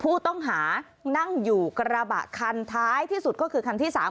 ผู้ต้องหานั่งอยู่กระบะคันท้ายที่สุดก็คือคันที่๓